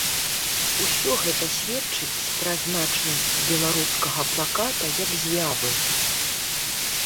Усё гэта сведчыць пра значнасць беларускага плаката як з'явы.